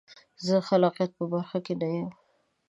زه د خلاقیت په برخه کې نه یم.